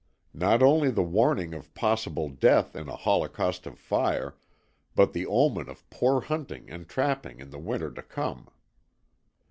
Not only the warning of possible death in a holocaust of fire, but the omen of poor hunting and trapping in the winter to come.